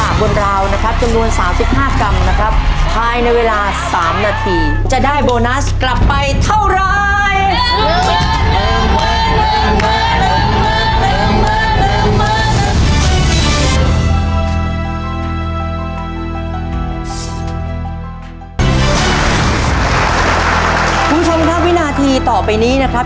กล้ามกกนะครับจะนำมาตากบนราวนะครับ